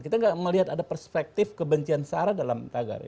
kita tidak melihat ada perspektif kebencian sara dalam tagar